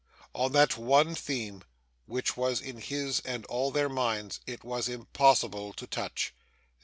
On that one theme, which was in his and all their minds, it was impossible to touch.